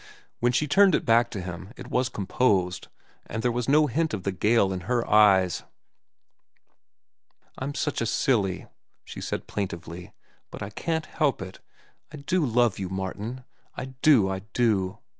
When she turned it back to him, it was composed, and there was no hint of the gale in her eyes. "I'm such a silly," she said plaintively. "But I can't help it. I do so love you, Martin, I do, I do.